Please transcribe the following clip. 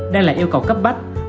đang là yêu cầu cấp bách